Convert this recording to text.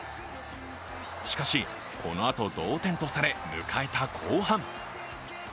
しかし、このあと同点とされ迎えた後半。